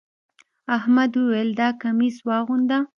احمد وويل: دا کميس واغونده.